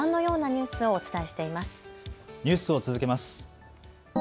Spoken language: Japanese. ニュースを続けます。